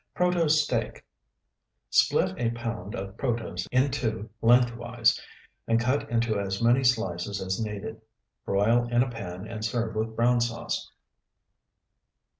PROTOSE STEAK Split a pound of protose in two lengthwise, and cut into as many slices as needed. Broil in a pan, and serve with brown sauce.